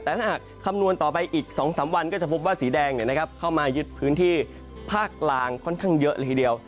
แต่ถ้าหากคำนวณต่อไปอีก๒๓วันก็จะพบว่าสีแดงเข้ามายึดพื้นที่ภาคกลางค่อนข้างเยอะเลยทีเดียว